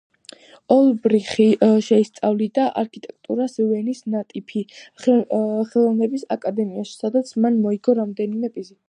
ოლბრიხი შეისწავლიდა არქიტექტურას ვენის ნატიფი ხელოვნების აკადემიაში, სადაც მან მოიგო რამდენიმე პრიზი.